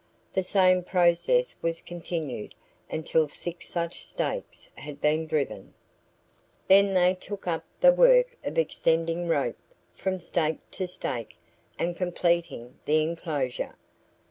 The same process was continued until six such stakes had been driven. Then they took up the work of extending rope from stake to stake and completing the inclosure.